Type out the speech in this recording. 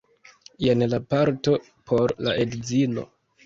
jen la parto por la edzino